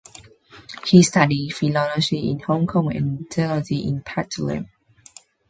He studied philosophy in Hong Kong and theology in Bethlehem.